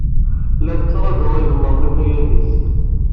La tettṛaju igmaḍ n ukayad-is.